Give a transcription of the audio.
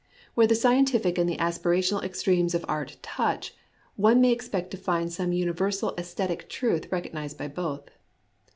Where the scientific and the aspirational extremes of art touch, one may expect to find some universal sesthetic truth recognized by both.